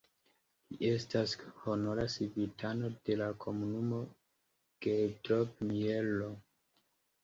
Li estas honora civitano de la komunumo Geldrop-Mierlo.